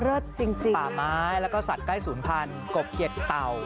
จริงป่าไม้แล้วก็สัตว์ใกล้ศูนย์พันธุ์กบเขียดเต่า